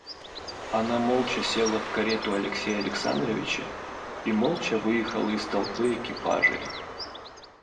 Она молча села в карету Алексея Александровича и молча выехала из толпы экипажей.